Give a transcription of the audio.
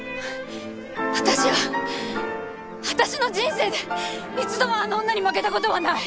私は私の人生で一度もあの女に負けた事はない。